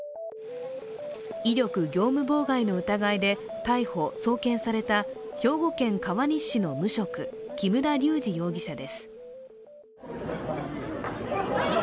威力業務妨害の疑いで逮捕・送検された兵庫県川西市の無職木村隆二容疑者です。